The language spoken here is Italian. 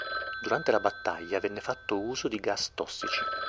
Durante la battaglia venne fatto uso di gas tossici.